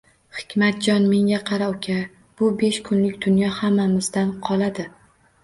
Hikmatjon, menga qara, uka. Bu besh kunlik dunyo hammamizdan qoladi.